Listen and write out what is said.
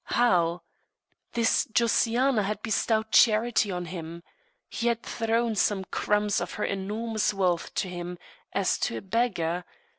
How? This Josiana had bestowed charity on him! She had thrown some crumbs of her enormous wealth to him, as to a beggar.